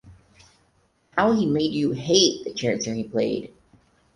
How he made you hate the character he played!